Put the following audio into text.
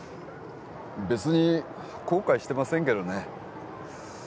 別に後悔してませんけどね